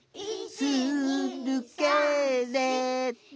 「するけれど」